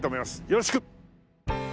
よろしく！